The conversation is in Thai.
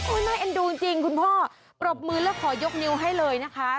น่าเอ็นดูจริงคุณพ่อปรบมือแล้วขอยกนิ้วให้เลยนะคะ